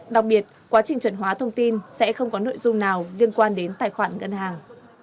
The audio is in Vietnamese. đặc biệt quá trình chuẩn hóa thông tin sẽ không có nội dung nào liên quan đến tài khoản ngân hàng